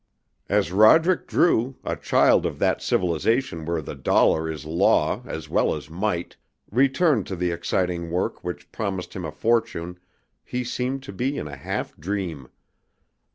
As Roderick Drew, a child of that civilization where the dollar is law as well as might, returned to the exciting work which promised him a fortune he seemed to be in a half dream.